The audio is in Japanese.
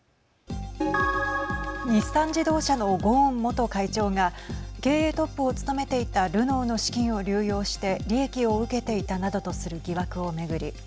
日産自動車のゴーン元会長が経営トップを務めていたルノーの資金を流用して利益を受けていたなどとする疑惑を巡り